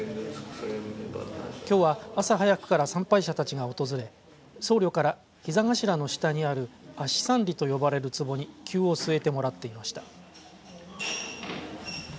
きょうは朝早くから参拝者たちが訪れ僧侶から膝頭の下にある足三里と呼ばれるつぼにきゅうを据えてもらっていました。